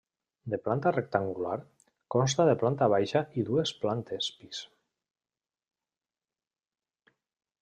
De planta rectangular, consta de planta baixa i dues plantes pis.